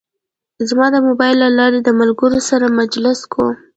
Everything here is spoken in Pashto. زه د موبایل له لارې د ملګرو سره مجلس کوم.